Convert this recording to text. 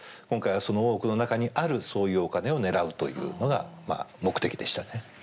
今回はその大奥の中にあるそういうお金を狙うというのが目的でしたね。